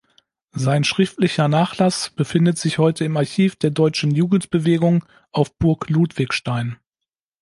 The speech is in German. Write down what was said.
Sein schriftlicher Nachlass befindet sich heute im Archiv der deutschen Jugendbewegung auf Burg Ludwigstein.